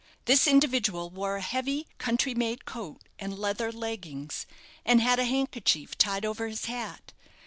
This individual wore a heavy, country made coat, and leather leggings, and had a handkerchief tied over his hat.